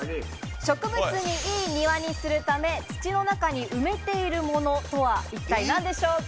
植物にいい庭にするため、土の中に埋めているものとは一体何でしょうか？